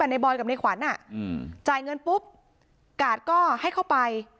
อันในบอยด์กับอันในขวัญอ่ะจ่ายเงินปุ๊บกาตก็ให้เข้าไป